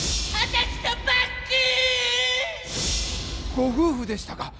ご夫婦でしたか！